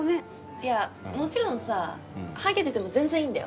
いやもちろんさハゲてても全然いいんだよ。